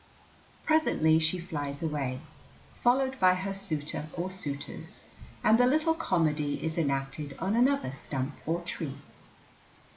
Presently she flies away, followed by her suitor or suitors, and the little comedy is enacted on another stump or tree.